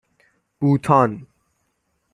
بوتان